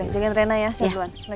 jangan tren nya ya saya duluan